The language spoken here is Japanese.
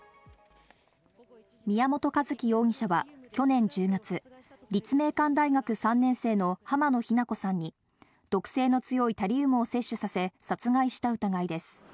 宮本一希容疑者は去年１０月、立命館大学３年生の浜野日菜子さんに、毒性の強いタリウムを摂取させ、殺害した疑いです。